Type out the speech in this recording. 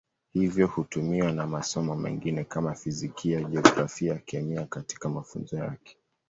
Hivyo hutumiwa na masomo mengine kama Fizikia, Jiografia, Kemia katika mafunzo yake.